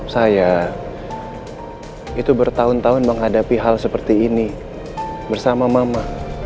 saya itu bertahun tahun menghadapi hal seperti ini bersama mama